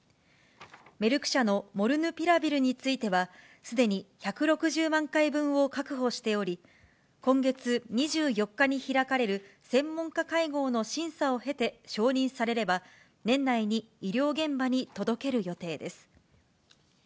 メルク社のモルヌピラビルについては、すでに１６０万回分を確保しており、今月２４日に開かれる専門家会合の審査を経て承認されれば、年内に医療現場に届ける予定です。